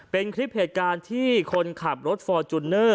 เป็นคลิปเหตุการณ์ที่คนขับรถฟอร์จูเนอร์